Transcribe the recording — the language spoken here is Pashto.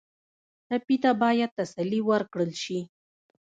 ټپي ته باید تسلي ورکړل شي.